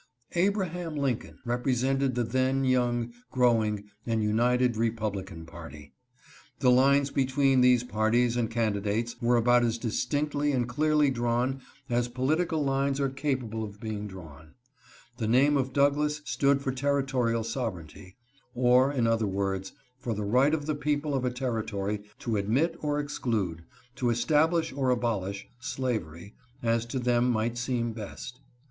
Abraham Lincoln represented the then young, growing, and united republican party. The lines between these parties and candidates were about as distinctly and clearly drawn as political lines are capable of being drawn. The name of Douglas stood for territo rial sovereignty, or, in other words, for the right of the 398 SQUATTER SOVEREIGNTY. people of a territory to admit or exclude, to establish or abolish, slavery, as to them might seem best.